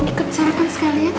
yuk ikut sarapan sekalian